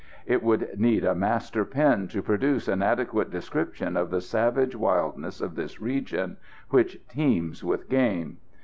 It would need a master pen to produce an adequate description of the savage wildness of this region, which teems with game.